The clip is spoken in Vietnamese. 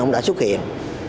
ông đã xuất hiện